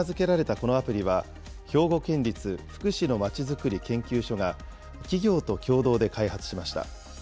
このアプリは、兵庫県立福祉のまちづくり研究所が、企業と共同で開発しました。